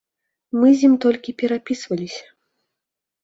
Мы з ім толькі перапісваліся.